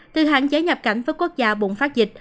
từ hạn chế nhập cảnh với quốc gia bùng phát dịch